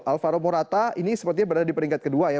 alvaro morata ini sepertinya berada di peringkat kedua ya